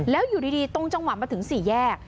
แล้วอยู่ดีตรงจังหวะมาถึง๔แยก